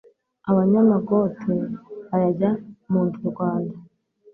Abanyamagote bayajya mu ndarwanda